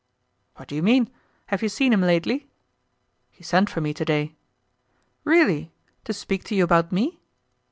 "What do you mean? Have you seen him lately?" "He sent for me to day." "Really! to speak to you about me?"